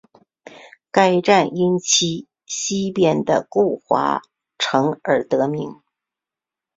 该站因其西边的巩华城而得名。